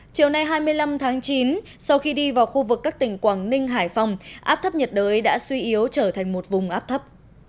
chiều nay hai mươi năm tháng chín sau khi đi vào khu vực các tỉnh quảng ninh hải phòng áp thấp nhiệt đới đã suy yếu trở thành một vùng áp thấp